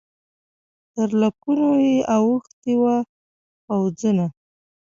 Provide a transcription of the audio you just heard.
تر لکونو یې اوښتي وه پوځونه